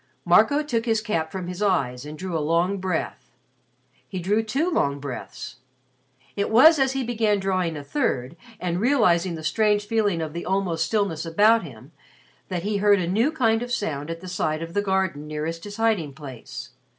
Marco took his cap from his eyes and drew a long breath. He drew two long breaths. It was as he began drawing a third and realizing the strange feeling of the almost stillness about him that he heard a new kind of sound at the side of the garden nearest his hiding place.